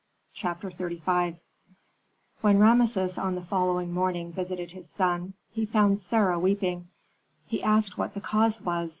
CHAPTER XXXV When Rameses on the following morning visited his son, he found Sarah weeping. He asked what the cause was.